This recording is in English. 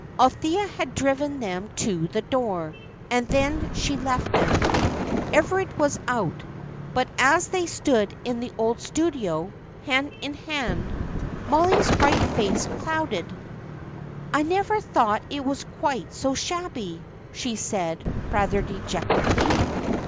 Althea had driven them to the door, and then she left them. Everard was out, but as they stood in the old studio, hand in hand, Mollie's bright face clouded. "I never thought it was quite so shabby," she said, rather dejectedly.